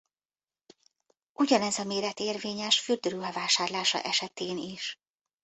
Ugyanez a méret érvényes fürdőruha vásárlása esetén is.